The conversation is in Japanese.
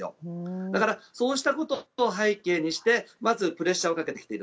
だからそうしたことを背景にしてまずプレッシャーをかけている。